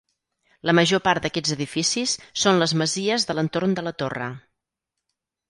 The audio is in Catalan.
La major part d'aquests edificis són les masies de l'entorn de la Torre.